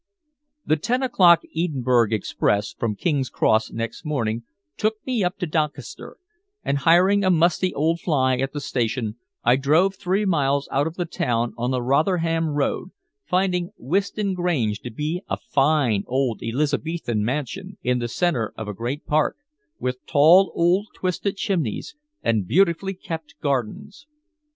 The ten o'clock Edinburgh express from King's Cross next morning took me up to Doncaster, and hiring a musty old fly at the station, I drove three miles out of the town on the Rotherham Road, finding Whiston Grange to be a fine old Elizabethan mansion in the center of a great park, with tall old twisted chimneys, and beautifully kept gardens.